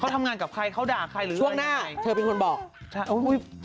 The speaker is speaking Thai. เขาทำงานกับใครเขาด่าใครหรืออย่างไรใช่อุ๊ยช่วงหน้าเธอเป็นคนบอก